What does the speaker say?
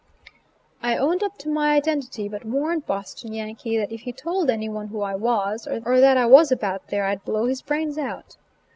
I owned up to my identity, but warned Boston Yankee that if he told any one who I was, or that I was about there, I'd blow his brains out.